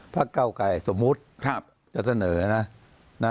เก้าไก่สมมุติจะเสนอนะ